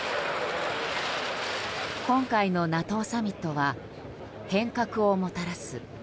今回のＮＡＴＯサミットは変革をもたらす。